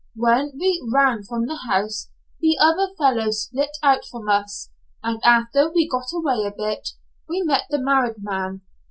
When we ran from the house, the other fellow split out from us, and after we got away a bit, we met the married man.